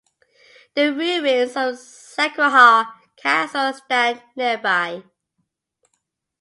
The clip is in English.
The ruins of Sanquhar Castle stand nearby.